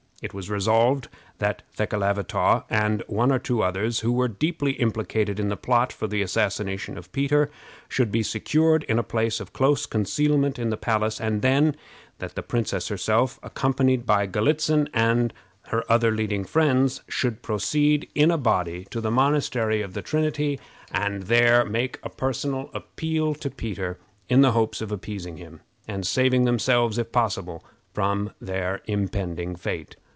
It was resolved that Thekelavitaw and one or two others who were deeply implicated in the plot for the assassination of Peter should be secured in a place of close concealment in the palace, and then, that the princess herself, accompanied by Galitzin and her other leading friends, should proceed in a body to the Monastery of the Trinity, and there make a personal appeal to Peter, in hopes of appeasing him, and saving themselves, if possible, from their impending fate.